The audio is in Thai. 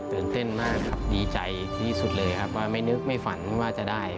ตื่นเต้นมากครับดีใจที่สุดเลยครับว่าไม่นึกไม่ฝันว่าจะได้